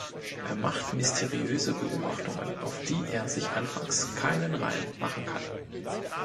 Er macht mysteriöse Beobachtungen, auf die er sich anfangs keinen Reim machen kann.